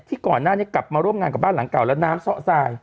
ก่อนหน้านี้กลับมาร่วมงานกับบ้านหลังเก่าแล้วน้ำซ่อทราย